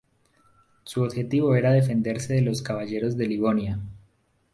Su objetivo era defenderse de los Caballeros de Livonia.